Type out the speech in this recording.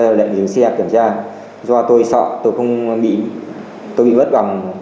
do lệnh dừng xe kiểm tra do tôi sợ tôi bị bất bằng